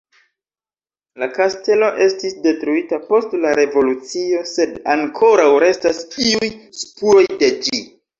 La kastelo estis detruita post la Revolucio, sed ankoraŭ restas iuj spuroj de ĝi.